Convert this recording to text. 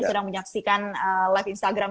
sudah menyaksikan live instagram